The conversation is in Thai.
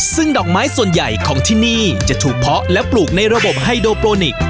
ซึ่งดอกไม้ส่วนใหญ่ของที่นี่จะถูกเพาะและปลูกในระบบไฮโดโปรนิกส